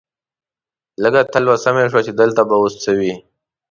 لږه تلوسه مې شوه چې دلته به اوس څه وي.